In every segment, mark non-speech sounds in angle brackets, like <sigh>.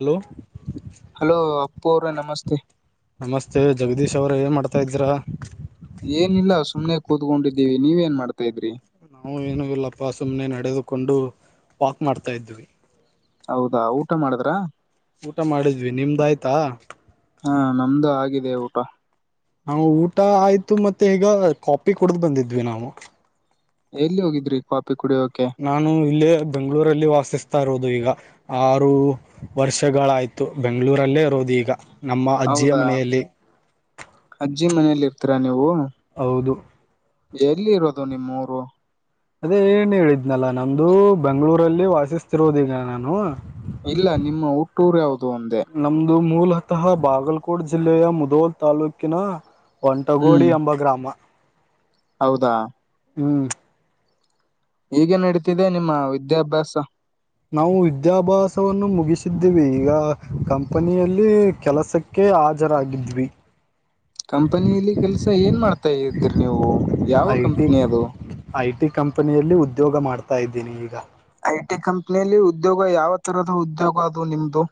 Hello hello Appu ಅವರೇ ನಮಸ್ತೆ ಜಗದೀಶ್ ಅವ್ರೇ ಏನ್ ಮಾಡ್ತಾ ಇದ್ದೀರಾ. ಏನಿಲ್ಲ ಸುಮ್ನೆ ಕೂತ್ಕೊಂಡಿದ್ದೀವಿ ನೀವ ಏನ್ ಮಾಡ್ತಾ ಇದ್ರಿ. ನಾವು ಏನು ಇಲ್ಲಪ್ಪ ಸುಮ್ಮ್ನೆ ನಡೆದುಕೊಂಡು ವಾಕ್ ಮಾಡ್ತಾ ಇದ್ವಿ. ಹೌದಾ ಊಟ ಮಾಡಿದ್ರಾ. ಊಟ ಮಾಡಿದ್ವಿ ನಿಮ್ದಾಯ್ತಾ. ಹಾ ನಮ್ದು ಆಗಿದೆ ಊಟ. ನಾವು ಊಟ ಆಯ್ತು ಮತ್ತೆ ಈಗ ಕಾಪಿ ಕುಡ್ದ್ ಬಂದಿದ್ವಿ ನಾವು. ಎಲ್ಲಿ ಹೋಗಿದ್ರಿ ಕಾಫಿ ಕುಡಿಯೋಕೆ. ನಾನು ಇಲ್ಲೇ ಬೆಂಗಳೂರಲ್ಲಿ ವಾಸಿಸ್ತಾ ಇರೋದು ಈಗ ಆರು. ವರ್ಷಗಳಾಯಿತು ಬೆಂಗಳೂರಲ್ಲೇ ಇರೋದು ಈಗ. ನಮ್ಮ ಅಜ್ಜಿಯ ಹೌದಾ ಮನೆಯಲ್ಲಿ ಅಜ್ಜಿ ಮನೇಲಿ ಇರ್ತೀರಾ ನೀವು. ಹೌದು. ಎಲ್ಲಿ ಇರೋದು ನಿಮ್ಮೂರು. ಅದೇ ಏನ್ ಹೇಳಿದ್ನಲ್ಲಾ ನಮ್ದು ಬೆಂಗಳೂರಲ್ಲಿ ವಾಸಿಸ್ತಿರೋದೀಗ ನಾನು. ಇಲ್ಲ ನಿಮ್ಮ ಹುಟ್ಟೂರು ಯಾವುದು ಅಂದೇ. ನಮ್ಮದು ಮೂಲತಃ ಬಾಗಲ್ಕೋಟ್ ಜಿಲ್ಲೆಯ ಮುದೋಲ್ ತಾಲೂಕಿನ ಒಂಟಗೋಡಿ ಹ್ಮ್ ಎಂಬ ಗ್ರಾಮ. ಹೌದಾ ಹ್ಮ್. ಹೆಗೆ ನಡೀತಿದೆ ನಿಮ್ಮ ವಿದ್ಯಾಭ್ಯಾಸ. ನಾವು ವಿದ್ಯಾಭ್ಯಾಸವನ್ನು ಮುಗಿಸಿದ್ದೀವಿ ಈಗ ಕಂಪನಿಯಲ್ಲಿ ಕೆಲಸಕ್ಕೆ, ಹಾಜರಾಗಿದ್ವಿ. ಕಂಪನಿಯಲಿ ಕೆಲ್ಸ ಏನ್ ಮಾಡ್ತಾ ಇದ್ರಿ ನೀವು ಯಾವ ಐ ಟಿ ಕಂಪನಿ ಅದು. ಐ ಟಿ ಕಂಪನಿಯಲ್ಲಿ ಉದ್ಯೋಗ ಮಾಡ್ತಾ ಇದ್ದೀನಿ ಈಗ. ಐ ಟಿ ಕಂಪ್ನಿಯಲ್ಲಿ ಉದ್ಯೋಗ ಯಾವ ತರದ ಉದ್ಯೋಗ ಅದು ನಿಮ್ದು.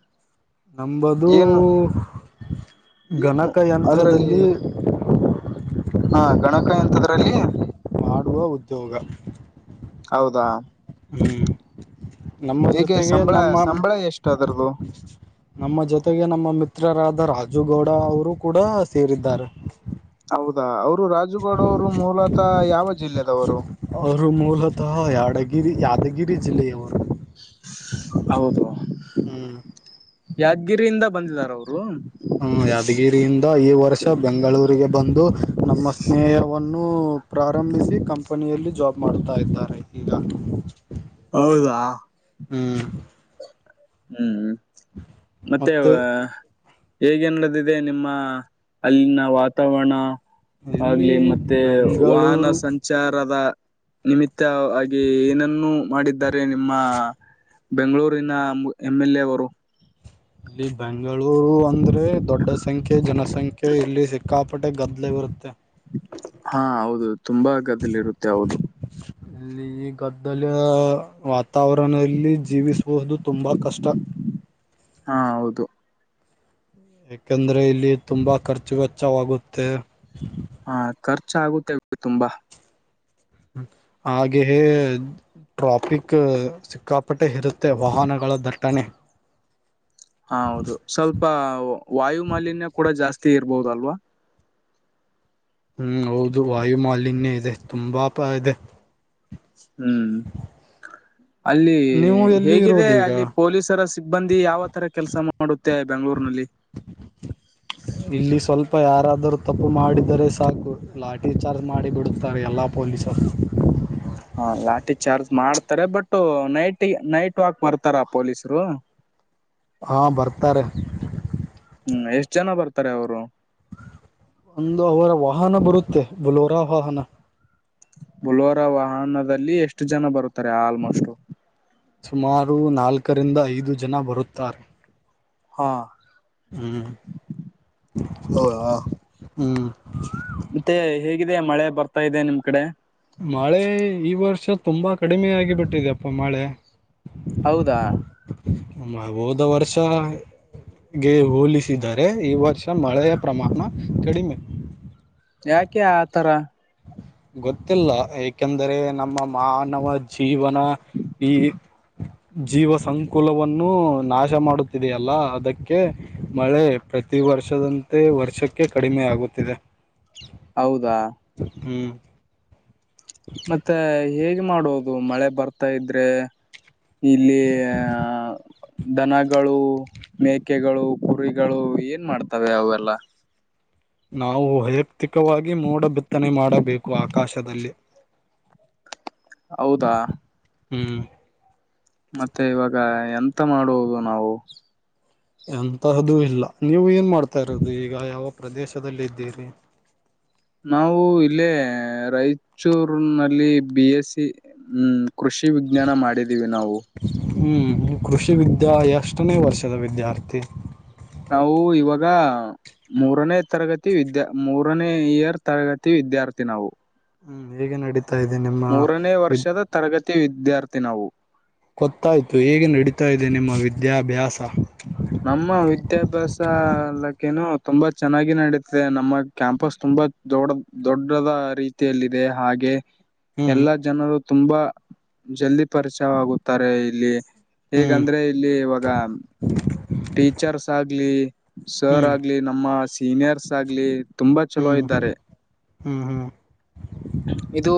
ನಮ್ಮದು ಏನು ಏನು ಗಣಕಯಂತ್ರದಲ್ಲಿ, ಹ ಗಣಕಯಂತ್ರದಲ್ಲಿ. ಮಾಡುವ ಉದ್ಯೋಗ ಹೌದಾ ಹ್ಮ್ ನಮ್ಮ ಹೇಗೆ ಜೊತೆಗೆ ಸಂಬಳ ನಮ್ಮ ಸಂಬಳ ಎಷ್ಟು ಅದರದು ನಮ್ಮ ಜೊತೆಗೆ ನಮ್ಮ ಮಿತ್ರರಾದ ರಾಜು ಗೌಡ ಅವರು ಕೂಡ ಸೇರಿದ್ದಾರೆ. ಹೌದಾ ಅವರು ರಾಜುಗೌಡ ಅವರು ಮೂಲತಃ ಯಾವ ಜಿಲ್ಲೆದವರು. ಅವರು ಮೂಲತಃ ಯಾದಗಿರಿ ಯಾದಗಿರಿ ಜಿಲ್ಲೆಯವರು. <unintelligible> ಹ್ಮ್. ಯಾದಿಗಿರಿಯಿಂದ ಬಂದಿದಾರ ಅವರು. ಹ್ಮ ಯಾದಗಿರಿಯಿಂದ ಈ ವರ್ಷ ಬೆಂಗಳೂರಿಗೆ ಬಂದು ನಮ್ಮ ಸ್ನೇಹವನ್ನು. ಪ್ರಾರಂಭಿಸಿ ಕಂಪನಿಯಲ್ಲಿ ಜಾಬ್ ಮಾಡ್ತಾ ಇದ್ದಾರೆ ಈಗ. ಹೌದಾ. ಹ್ಮ್. ಹ್ಮ್ ಮತ್ತೆ. ಹೇಗೆ ನಡಿದಿದೆ ನಿಮ್ಮ ಅಲ್ಲಿನ ವಾತಾವರಣ. ಇಲ್ಲಿ ಆಗ್ಲಿ ಮತ್ತೆ ವಾಹನ ಬೆಂಗಳೂರು ಸಂಚ್. ವಿಚಾರದ ನಿಮಿತ್ತವಾಗಿಗ ಏನನ್ನ ಮಾಡಿದ್ದಾರೆ. ನಿಮ್ಮ ಬೆಂಗಳೂರಿನ ಎಂ ಎಲ್ ಎ ಅವರು. ಇಲ್ಲಿ ಬೆಂಗಳೂರು ಅಂದ್ರೆ ದೊಡ್ಡ ಸಂಖ್ಯೆ ಜನಸಂಖ್ಯೆ ಇಲ್ಲಿ ಸಿಕ್. ಕಾಪಟೆ ಗದ್ದಲೆ ಬರುತ್ತೆ. ಹಾ ಹೌದು ತುಂಬಾ ಗದ್ದಳೆ ಇರುತ್ತೆ ಹೌದು ಇಲ್ಲಿ ಈ ಗದ್ದಲ. ತವರನಲ್ಲಿ ಜೀವಿಸುವುದು ತುಂಬ ಕಷ್ಟ ಹಾ ಹೌದು ಯಾಕೆಂದ್ರೆ ಇಲ್ಲಿ ತುಂಬ ಖರ್ಚು ವೆಚ್ಚವಾಗುತ್ತೆ ಹಾ ಖರ್ಚ ಆಗುತ್ತೆ ತುಂಬಾ ಹ್ಮ ಹಾಗೆ ಟ್ರಾಫಿಕ್ ಸಿಕ್ಕಾಪಟ್ಟೆ ಇರುತ್ತೆ ವಾಹನಗಳ ದಟ್ಟಣೆ ಹಾ ಹೌದು ಸ್ವಲ್ಪ ವಾಯು ಮಾಲಿನ್ಯ ಕೂಡ ಜಾಸ್ತಿ ಇರ್ಬೋದು ಅಲ್ವಾ ಹ್ಮ್ ಹೌದು ವಾಯು ಮಾಲಿನ್ಯ ಇದೆ ತುಂಬಾ ಪಾ ಇದೆ ಹ್ಮ್ ಅಲ್ಲಿ ನೀವು ಎಲ್ಲಿ ಹೇಗಿದೆ ಇರೋದು ಈಗ ಅಲ್ಲಿ ಪೊಲೀಸರ ಸಿಬ್ಬಂದಿ ಯಾವ ತರ ಕೆಲಸ ಮಾಡುತ್ತೆ ಬೆಂಗಳೂರ್ನಲ್ಲಿ <inaudible> ಇಲ್ಲಿ ಸ್ವಲ್ಪ ಯಾರಾದರೂ ತಪ್ಪು ಮಾಡಿದರೆ ಸಾಕು ಲಾಟ್ರಿ ಚಾರ್ಜ್ ಮಾಡಿ ಬಿಡತ್ತಾರೆ ಎಲ್ಲಾ ಪೊಲೀಸರು ಹಾ ಲಾಟಿ ಚಾರ್ಜ್ ಮಾಡ್ತಾರೆ ಬಟ್ ನೈಟ್ ನೈಟ್ ವಾಕ್ ಬರ್ತಾರ ಪೊಲೀಸರು ಹಾ ಬರ್ತಾರೆ ಹ್ಮ್ ಎಷ್ಟು ಜನ ಬರ್ತಾರೆ ಅವರು ಒಂದು ಅವರ ವಾಹನ ಬರುತ್ತೆ ಬಲೋರಾಹ ವಾಹನ ಬುಲ್ವರಾ ವಾಹನದಲ್ಲಿ ಎಷ್ಟು ಜನ ಬರುತ್ತಾರೆ ಆಲ್ಮೋಸ್ಟ್ ಸುಮಾರು ನಾಲ್ಕರಿಂದ ಐದು ಜನ ಬರುತ್ತಾರೆ ಹಾ... ಹ್ಮ್ ಹೌದಾ ಹ್ಮ್ ಮತ್ತೆ ಹೇಗಿದೆ ಮಳೆ ಬರ್ತಾ ಇದೆ ನಿಮ್ ಕಡೆ ಮಳೆ ಈ ವರ್ಷ ತುಂಬಾ ಕಡಿಮೆ ಆಗಿ ಬಿಟ್ಟಿದೆ ಪ್ಪ ಮಳೆ ಹೌದಾ ಮ ಹೋದ ವರ್ಷ ಗೆ ಹೋಲಿಸಿದರೆ ಈ ವರ್ಷ ಮಳೆಯ ಪ್ರಮಾಣ ಕಡಿಮೆ ಯಾಕೆ ಆತರ ಗೊತ್ತಿಲ್ಲ ಏಕೆಂದರೆ ನಮ್ಮ ಮಾನವ ಜೀವನ ಈ ಹ <inaudible> ಜೀವ ಸಂಕುಲವನ್ನು ನಾಶ ಮಾಡುತ್ತಿದೆಯಲ್ಲ ಅದಕ್ಕೆ ಮಳೆ ಪ್ರತಿ ವರ್ಷದಂತೆ ವರ್ಷಕ್ಕೆ ಕಡಿಮೆ ಆಗುತ್ತಿದೆ ಹೌದಾ ಹ್ಮ್ ಮತ್ತೆ ಹೇಗೆ ಮಾಡೋದು ಮಳೆ ಬರ್ತಾ ಇದ್ರೆ ಇಲ್ಲಿ.. ಹಾ.. ದನಗಳು ಮೇಕೆಗಳು ಕುರಿಗಳು ಏನ್ ಮಾಡ್ತವೆ ಅವೆಲ್ಲ ನಾವು ವೈಯಕ್ತಿಕವಾಗಿ ಮೋಡು ಬಿತ್ತನೆ ಮಾಡಬೇಕು ಆಕಾಶದಲ್ಲಿ <inaudible> ಹೌದಾ ಹ್ಮ್ ಮತ್ತೆ ಇವಾಗ ಎಂತ ಮಾಡುವ ನಾವು ಎಂತಹ್ದು ಇಲ್ಲ ನೀವು ಏನ್ ಮಾಡ್ತಾ ಇರೋದು ಈಗ ಯಾವ ಪ್ರದೇಶದದಲ್ಲಿ ಇದ್ದೀರಿ ನಾವು ಇಲ್ಲೇ ರಾಯಚೂರ್ ನಲ್ಲಿ ಬಿ ಎಸ್ ಸಿ ಹ್ಮ್ ಕೃಷಿ ವಿಜ್ಞಾನ ಮಾಡಿದೀವಿ ನಾವು ಹ್ಮ್ ಕೃಷಿ ವಿದ್ಯಾಯ ಎಷ್ಟನೇ ವರ್ಷದ ವಿದ್ಯಾರ್ಥಿ ನಾವು ಇವಾಗ.. ಮೂರನೇ ತರಗತಿ ವಿದ್ಯಾ ಮೂರನೇ ಇಯರ್ ತರಗತಿ ವಿದ್ಯಾರ್ಥಿ ನಾವು ಹ್ಮ್ ಹೇಗೆ ನಡತಾ ಇದೆ ನಿಮ್ಮ ಮೂರನೇ ವಿದ್ಯ ವರ್ಷದ ತರಗತಿ ವಿದ್ಯಾರ್ಥಿ ನಾವು ಗೊತ್ತಾಯ್ತು ಹೇಗೆ ನಡೀತಾ ಇದೆ ನಿಮ್ಮ ವಿದ್ಯಾಭ್ಯಾಸ ನಮ್ಮ ವಿದ್ಯಾಭ್ಯಾಸಲ್ಲಕ್ಕೇನು ತುಂಬಾ ಚೆನ್ನಾಗಿ ನೆಡೀತಿದೆ ನಮ್ಮ ಕ್ಯಾಂಪಸ್ ತುಂಬಾ ದೊಡ್ಡ ದೊಡ್ಡದ ರೀತಿಯಲ್ಲಿದೆ ಹಾಗೆ ಹ್ಮ್ ಎಲ್ಲಾ ಜನರು ತುಂಬಾ ಜಲ್ದಿ ಪರಿಚಯವಾಗುತ್ತಾರೆ ಇಲ್ಲಿ ಹ್ಮ್ ಹೇಗಂದ್ರೆ ಇಲ್ಲಿ ಇವಾಗ ಟೀಚರ್ಸ್ ಆಗ್ಲಿ ಸರ್ ಹ್ಮ್ ಆಗ್ಲಿ ನಮ್ಮ ಸೀನಿಯರ್ಸ್ ಆಗ್ಲಿ ತುಂಬಾ ಚಲೋ ಹ್ಮ್ ಇದ್ದಾರೆ ಹ್ಮ್ ಹ್ಮ್ ಇದು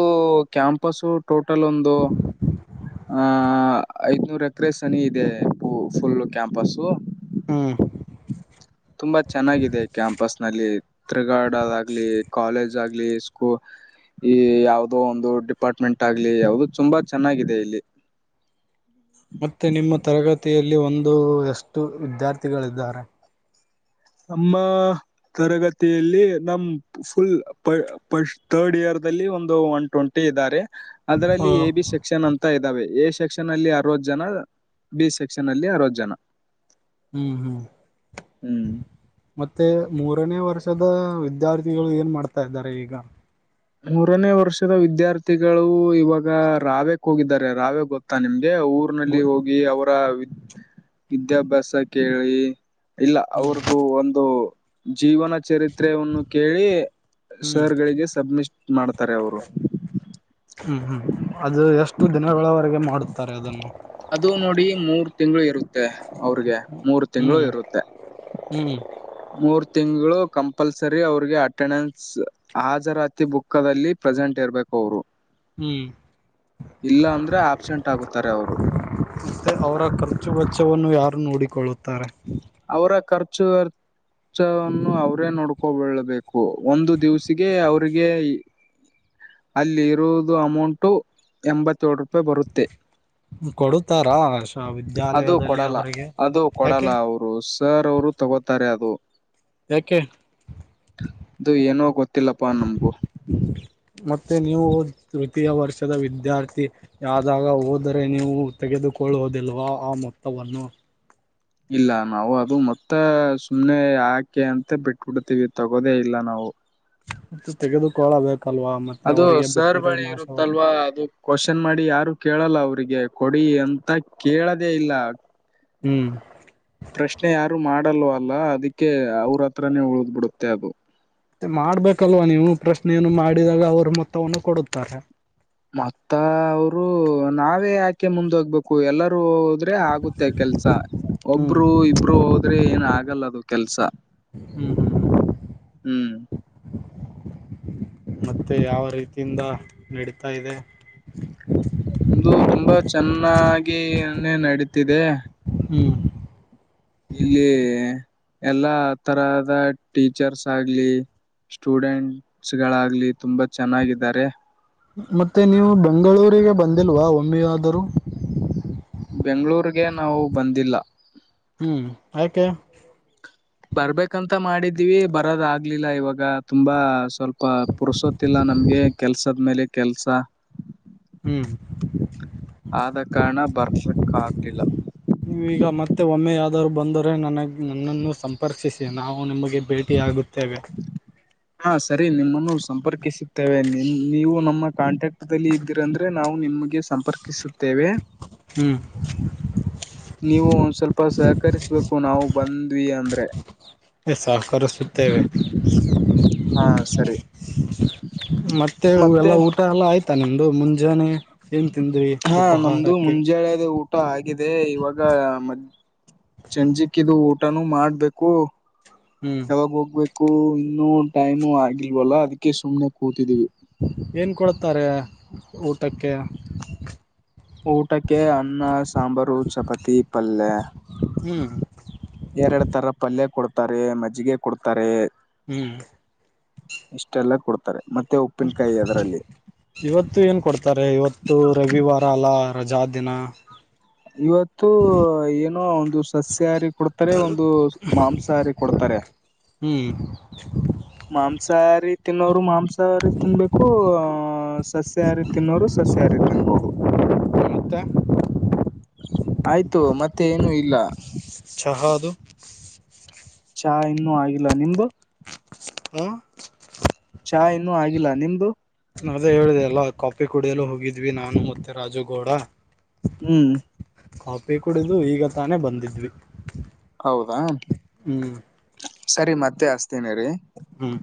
ಕ್ಯಾಂಪಸ್ ಟೋಟಲ್ ಒಂದು ಆಹ ಐದನೂರ ಎಕರೆ ಸನಿ ಇದೆ ಫುಲ್ ಕ್ಯಾಂಪಸ್ ಹ್ಮ ತುಂಬಾ ಚೆನ್ನಾಗಿದೆ ಕ್ಯಾಂಪಸ್ ನಲ್ಲಿ ತಿತ್ರಿಗಾಡದಾಗಲಿ ಕಾಲೇಜ್ ಆಗ್ಲಿ ಸ್ಕೂಲ್ ಈ ಯಾವವುದೋ ಒಂದು ಡಿಪಾರ್ಟ್ಮೆಂಟ್ ಆಗ್ಲಿ ಯಾವುದು ತುಂಬಾ ಚೆನ್ನಾಗಿದೆ ಇಲ್ಲಿ ಮತ್ತೆ ನಿಮ್ಮ ತರಗತಿಯಲ್ಲಿ ಒಂದು ಎಷ್ಟು ವಿದ್ಯಾರ್ಥಿಗಳಿದ್ದಾರೆ ನಮ್ಮ ತರಗತಿಯಲ್ಲಿ ನಮ ಫುಲ್ ಪಸ್ಟ್ ರ್ಡ್ ಇಯರ್ ದಲ್ಲಿ ಒಂದು ಒನ್ ಟ್ವೆಂಟಿ ಇದ್ದಾರೆ ಹ ಅದರಲ್ಲಿ ಎ ಬಿ ಶಕ್ ಸೆಕ್ಷನ್ ಅಂತ ಇದ್ದಾವೆ ಎ ಸೆಕ್ಷನ್ ಅಲ್ಲಿ ಅರವತ್ತು ಜನ ಬಿ ಸೆಕ್ಷನ್ ಅಲ್ಲಿ ಅರವದ ಜನ ಹ್ಮ್ ಹ್ಮ್ ಹ್ಮ್ ಮತ್ತೆ ಮೂರನೇ ವರ್ಷದ ವಿದ್ಯಾರ್ಥಿಗಳು ಏನ್ ಮಾಡ್ತಾ ಇದ್ದಾರೆ ಈಗ ಮೂರನೇ ವರ್ಷದ ವಿದ್ಯಾರ್ಥಿಗಳು ಇವಾಗ ರಾವೆಕ್ ಹೋಗಿದ್ದಾರೆ ರಾವೆ ಗೊತ್ತಾ ನಿಮ್ಗೆ ಹ್ಮ್ ರ್ನಲ್ಲಿ ಹೋಗಿ ಅವರ ವಿದ ವಿದ್ಯಾಭ್ಯಾಸ ಕೇಳಿ ಇಲ್ಲ ಹ್ಮ್ ಅವ್ರ್ದು ಒಂದು ಜೀವನ ಚರಿತ್ ಚತ್ರವನ್ನು ಕೇಳಿ ಹ್ಮ್ ಸರ್ ಗಳಿಗೆ ಸಬ್ಮಿಟ್ ಮಾಡ್ತಾರೆ ಅವರು ಹ್ಮ್ ಹ್ಮ್ ಅದು ಎಷ್ಟು ದಿನಗಳವರೆಗೆ ಮಾಡುತ್ತಾರೆ ಅದನ್ನು ಅದು ನೋಡಿ ಮೂರ್ ತಿಂಗಳು ಇರುತ್ತೆ ಅವ್ರಿಗೆ ಮೂರು ತಿಂಗಳು ಹ್ಮ್ ಇರುತ್ತೆ ಹ್ಮ್ ಮೂರ್ ತಿಂಗಳು ಕಂಪಲ್ಸರಿ ಅವ್ರಿಗೆ ಅಟೆಂಡೆನ್ಸ್ ಹಾಜರಾತಿ ಬುಕ್ಕದಲ್ಲಿ ಪ್ರೆಸೆಂಟ್ ಇರ್ಬೇಕು ಅವರು ಹ್ಮ್ ಇಲ್ಲ ಅಂದ್ರೆ ಆಬ್ಸೆಂಟ್ ಆಗುತ್ತಾರೆ ಅವರು ಮತ್ತೆ ಅವರ ಖರ್ಚು ವೆಚ್ಚವನ್ನು ಯಾರು ನೋಡಿಕೊಳ್ಳುತ್ತಾರೆ ಅವ್ರ ಖರ್ಚು ಹೆಚ್ಚವನ್ನು ಅವ್ರೇ ನೋಡ್ಕೊಬಳ್ಬೇಕು ಒಂದು ದಿವ್ಸಿಗೆ ಅವ್ರಿಗೆ ಅಲ್ಲಿ ಇರುವುದು ಅಮೌಂಟು ಎಂಬತ್ತೇಳು ರೂಪಾಯಿ ಬರುತ್ತೆ ಕೊಡುತ್ತಾರಾಷಾವಿದ ಅದು ಕೊಡಲ್ಲ ಅದು ಕೊಡಲ್ಲ ಅವರು ಸರ್ ಅವರು ತಗೋತಾರೆ ಅದು ಯಾಕೆ ಅದು ಏನೋ ಗೊತ್ತಿಲ್ಲಪ್ಪಾ ನಮ್ಗು ಮತ್ತೆ ನೀವು ತೃತೀಯ ವರ್ಷದ ವಿದ್ಯಾರ್ಥಿ ಯ್ದಾಗ ಹೋದರೆ ನೀವು ತೆಗೆದುಕೊಳ್ಳುವೋದಿಲ್ವಾ ಆ ಮೊತ್ತವನ್ನು ಇಲ್ಲ ನಾವು ಅದು ಮತ್ತ ಸುಮ್ನೆ ಹಾಕಿ ಅಂತ ಬಿಟ್ಬಿಡ್ತೀವಿ ತಗೋದೇ ಇಲ್ಲ ನಾವು ತೆಗೆದುಕೋಳಬೇಕಲ್ವಾ ಅದು ಸರ್ ಬಳಿ ಇರುತ್ತಲ್ವಾ ಅದು ಕ್ವಶನ್ ಮಾಡಿ ಯಾರು ಕೇಳಲ್ಲ ಅವ್ರಿಗೆ ಕೊಡಿ ಅಂತ ಕೇಳದೇ ಇಲ್ಲ ಹ್ಮ್ ಪ್ರಶ್ನೆ ಯಾರು ಮಾಡಲ್ವಲ್ಲ ಅದಕ್ಕೆ ಅವ್ರ ಹತ್ರನೇ ಉಳ್ದ್ ಬಿಡುತ್ತೆ ಅದು ಮಾಡ್ಬೇಕಲ್ವಾ ನೀವು ಪ್ರಶ್ನೆಯನ್ನು ಮಾಡಿದಾಗ ಅವ್ರು ಮೊತ್ತವನ್ನು ಕೊಡುತ್ತಾರೆ ಮತ್ತ ಅವರು ನಾವೇ ಯಾಕೆ ಮುಂದೋಗ್ಬೇಕು ಎಲ್ಲರೂ ಹೋದ್ರೆ ಆದ್ರೆ ಆಗುತ್ತೆ ಕೆಲ್ಸ ಹ್ಮ್ ಒಬ್ಬರು ಇಬ್ರು ಹೋದ್ರೆ ಏನ್ ಆಗಲ್ಲ ಅದು ಕೆಲ್ಸ ಹ್ಮ್ ಹ್ಮ್ ಹ್ಮ್ ಮತ್ತೆ ಯಾವ ರೀತಿಯಿಂದ ನಡೀತಾ ಇದೆ ಒಂದು ತುಂಬಾ ಚೆನ್ನಾಗಿೆ ನಡೀತಿದೆ ಹ್ಮ್ ಇಲ್ಲಿ ಎಲ್ಲಾ ತರದ ಟೀಚರ್ಸ್ ಆಗ್ಲಿ ಸ್ಟೂಡೆಂಟ್ಸ್ ಗಳಾಗ್ಲಿ ತುಂಬಾ ಚೆನ್ನಾಗಿದ್ದಾರೆ ಮತ್ತೆ ನೀವು ಬೆಂಗಳೂರಿಗೆ ಬಂದಿಲ್ವಾ ಒಮ್ಮೆ ಆದರೂ ಬೆಂಗಳೂರ್ಗೆ ನಾವು ಬಂದಿಲ್ಲ ಹ್ಮ್ ಯಾಕೆ ಬರ್ಬೇಕಂತ ಮಾಡಿದೀವಿ ಬರದ ಆಗ್ಲಿಲ್ಲ ಇವಾಗ ತುಂಬಾ ಸ್ವಲ್ಪ ಪ ಪುರುಸೊತ್ತಿಲ್ಲ ನಮ್ಗೆ ಕೆಲ್ಸದ ಮೇಲೆ ಕೆಲ್ಸ ಹ್ಮ್ ಆದ ಕಾರಣ ಬರ್ಸಕ್ ಆಗ್ಲಿಲ್ಲ ನೀವೀಗ ಮತ್ತೆ ಒಮ್ಮೆ ಯಾದರೂ ಬಂದರೆ ನನಗೆ ನನ್ನನ್ನು ಸಂಪರ್ಕ್ಷಿಸಿ ನಾವು ನಿಮಗೆ ಭೇಟಿ ಆಗುತ್ತೇವೆ ಹಾ ಸರಿ ನಿಮ್ಮನ್ನು ಸಂಪರ್ಕಿಸುತ್ತೇವೆ ನಿಮ್ ನೀವು ನಮ್ಮ ಕಾಂಟ್ಯಾಕ್ಟ್ಲ್ಲಿ ಇದ್ದೀರಂದ್ರೆ ನಾವು ನಿಮಗೆ ಸಂಪರ್ಕಿಸುತ್ತೇವೆ ಹ್ಮ್ ನೀವು ಒಂದ್ ಸ್ವಲ್ಪ ಸಹಕರಿಸ್ಬೇಕು ನಾವು ಬಂದ್ವಿ ಅಂದ್ರೆ ಸಹಕರಿಸುತ್ತೇವೆ ಹಾ ಸರಿ ಮತ್ತೆ ಎಲ್ಲ ಊಟ ಎಲ್ಲ ಆಯ್ತಾ ನಿಮ್ದು ಮುಂಜಾನೆ ಏನ್ ತಿಂದ್ರಿ ಹಾ ನಮ್ದು ಉಪಹಾರಕ್ಕೆ ಮುಂಜಾನೆ ದು ಊಟ ಆಗಿದೆ ಇವಾಗ ಮಧ್ಯಾ ಸಂಜೆಕಿದು ಊಟನು ಮಾಡಬೇಕು ಹ್ಮ್ ಯಾವಾಗ ಹೋಗ್ಬೇಕು ಇನ್ನುೂ ಟೈಮು ಆಗಿಲ್ವಲ್ಲ ಅದಕ್ಕೆ ಸುಮ್ನೆ ಕೂತಿದೀವಿ ಏನ್ ಕೊಡ್ತಾರೆ ಊಟಕ್ಕೆ ಊಟಕ್ಕೆ ಅನ್ನ ಸಾಂಬಾರು ಚಪಾತಿ ಪಲ್ಯೆ ಹ್ಮ್ ಎರಡು ತರ ಪಲ್ಯ ಕೊಡ್ತಾರೆ ಮಜ್ಜಿಗೆ ಕೊಡ್ತಾರೆ ಹ್ಮ್ ಇಷ್ಟೆಲ್ಲ ಕೊಡ್ತಾರೆ ಮತ್ತೆ ಉಪ್ ಹ <inaudible> ಇವತ್ತು ಏನ್ ಕೊಡ್ತಾರೆ ಇವತ್ತು ರವಿವಾರ ಅಲ್ಲಾ ರಜಾ ದಿನ ಇವತ್ತು ಏನೋ ಒಂದು ಸಸ್ಯಹಾರಿ ಕೊಡ್ ತ್ತರೆ ಒಂದು ಮಾಂಸಾಹಾರಿ ಕೊಡ್ತಾರೆ ಹ್ಮ್ ಮಾಂಸಹಾರಿ ತಿನ್ನೋರು ಮಾಂಸ ಮೋಸಹಾರಿ ತಿನ್ನಬೇಕು ಸಸ್ಯಾಹಾರಿ ತಿನ್ನುವವರು ಸಸ್ಯಾಹಾರಿ ತಿನ್ನಬಹುದು ಮತ್ತ ಆಯ್ತು ಮತ್ತೆ ಏನು ಇಲ್ಲ ಚಹ ಅದು ಚಾ ಇನ್ನುೂ ಆಗಿಲ್ಲ ನಿಮ್ದು ಹ್ಮ ಚಾ ಇನ್ನುೂ ಆಗಿಲ್ಲ ನಿಮ್ದು ಅದೇ ಹೇಳಿದೆ ಅಲ್ಲ ಕಾಫಿ ಕುಡಿಯಲು ಹೋಗಿದ್ವಿ ನಾನು ಮತ್ತೆ ರಾಜುಗೌಡ ಹ್ಮ್ ಕಾಪಿ ಕುಡಿದು ಈಗ ತಾನೇ ಬಂದಿದ್ವಿ ಹೌದಾ ಹ್ಮ್ ಸರಿ ಮತ್ತೆ ಹಚ್ಚತೀನಿ ಇರಿ ಹ್ಮ್